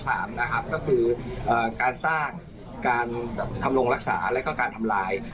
ก็คือการสร้างการทำลงรักษาแล้วก็การทำลาย